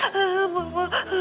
aduh ooh mama